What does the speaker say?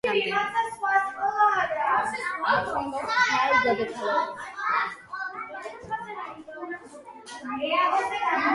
ამასთან დაკავშირებით ჩატარებულმა კვლევებმა, მეცნიერი მიიყვანეს მის ცხოვრებაში მომხდარ უდიდეს აღმოჩენამდე.